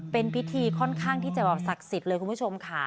เป็นพิธีค่อนข้างที่จะแบบศักดิ์สิทธิ์เลยคุณผู้ชมค่ะ